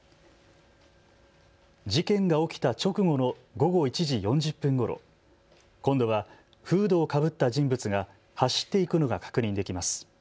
事件が起きた直後の午後１時４０分ごろ、今度はフードをかぶった人物が走って行くのが確認できます。